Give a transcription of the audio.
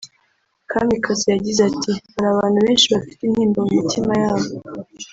Kamikazi yagize ati “Hari abantu benshi bafite intimba mu mitima yabo